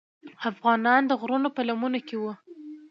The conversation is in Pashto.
افغانان د غرونو په لمنو کې وو.